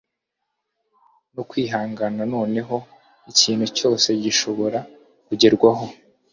no kwihangana - noneho ikintu cyose gishobora kugerwaho